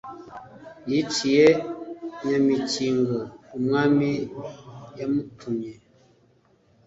Yiciye Nyamikingo umwami yamutumye